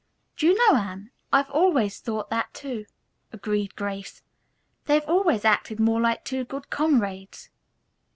"Do you know, Anne, I've always thought that, too," agreed Grace. "They have always acted more like two good comrades."